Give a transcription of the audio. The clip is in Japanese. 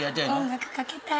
音楽かけたい。